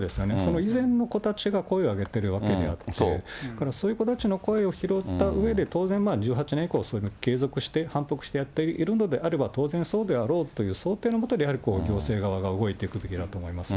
その以前の子たちが声を上げてることであって、だからそういう子たちの声を拾ったうえで、当然１８年以降、継続して反復してやっているのであれば、当然そうであろうという想定のもとで、やはり行政側が動いていくべきだと思いますね。